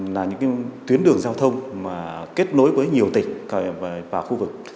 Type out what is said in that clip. đây là những tuyến đường giao thông kết nối với nhiều tỉnh và khu vực